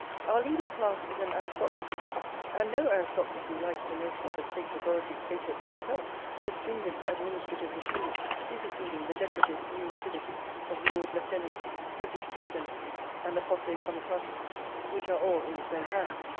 Our leading class is an aristocracy, and no aristocracy likes the notion of a State authority greater than itself, with a stringent administrative machinery superseding the decorative inutilities of lord lieutenancy, deputy lieutenancy, and the posse comitatûs,+ which are all in its own hands.